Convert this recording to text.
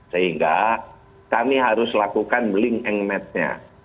sehingga kami harus lakukan link and match nya